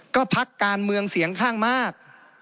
ก็พักการเมืองเสียงข้างมาก